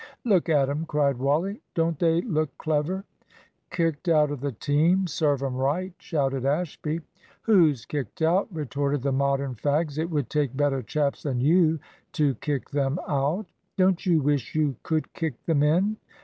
"Look at 'em," cried Wally; "don't they look clever?" "Kicked out of the team serve 'em right!" shouted Ashby. "Who's kicked out?" retorted the Modern fags. "It would take better chaps than you to kick them out." "Don't you wish you could kick them in?